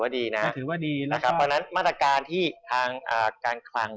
อันแล้วมรรถกันที่การคลั่ง